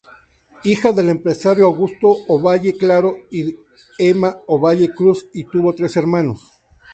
Hija del empresario Augusto Ovalle Claro y Emma Ovalle Cruz, y tuvo tres hermanos.